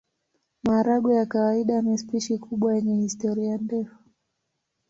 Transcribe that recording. Maharagwe ya kawaida ni spishi kubwa yenye historia ndefu.